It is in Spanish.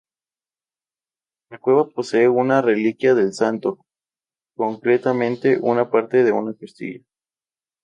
La cueva posee una reliquia del Santo, concretamente una parte de una costilla.